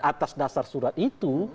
atas dasar surat itu